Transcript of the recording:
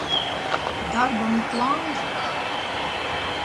Darbam ir plāns taču.